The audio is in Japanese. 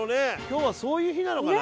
今日はそういう日なのかな？